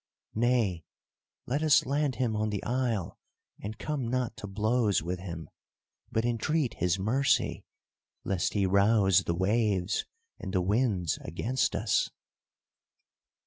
Nay, let us land him on the isle and come not to blows with him, but entreat his mercy, lest he rouse the waves and the winds against us."